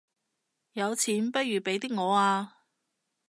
有錢不如俾啲我吖